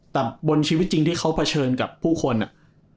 แต่บนชีวิตจริงที่เขาเผชิญกับผู้คนอ่ะ